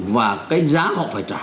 và cái giá họ phải trả